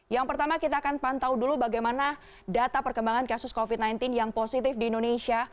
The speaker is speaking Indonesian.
yang pertama kita akan pantau dulu bagaimana data perkembangan kasus covid sembilan belas yang positif di indonesia